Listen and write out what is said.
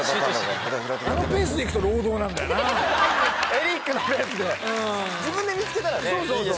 エリックのペースで自分で見つけたらいいですけど。